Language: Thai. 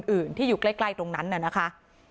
อื่นที่อยู่ใกล้ตรงนั้นน่ะนะคะ